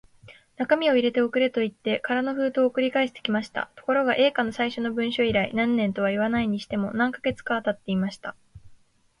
中身を入れて送れ、といって空の封筒を送り返してきました。ところが、Ａ 課の最初の文書以来、何年とはいわないにしても、何カ月かはたっていました。